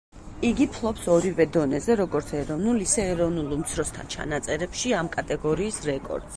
იგი ფლობს ორივე დონეზე, როგორც ეროვნულ, ისე ეროვნულ უმცროსთა ჩანაწერებში ამ კატეგორიის რეკორდს.